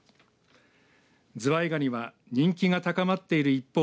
ズワイガニは人気が高まっている一方